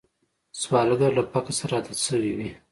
سوالګر له فقر سره عادت شوی وي